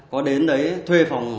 có đến đấy thuê phòng